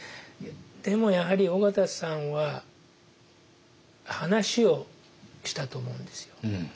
でもやはり緒方さんは話をしたと思うんですよ。